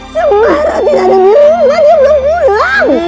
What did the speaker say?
sembara tidak ada di rumah dia belum pulang